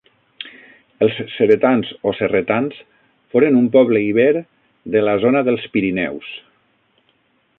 Els ceretans o cerretans foren un poble iber de la zona dels Pirineus.